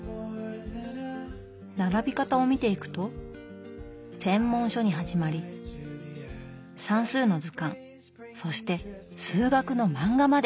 並び方を見ていくと専門書に始まり算数の図鑑そして数学の漫画まで。